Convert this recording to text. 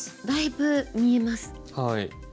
だいぶ見えます。